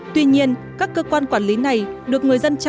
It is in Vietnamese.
tuy nhiên các cơ quan quản lý này được người dân trả